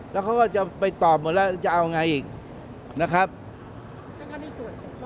แล้วเขาก็จะไปตอบหมดแล้วจะเอาอย่างไรอีก